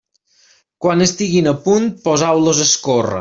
Quan estiguin al punt, poseu-los a escórrer.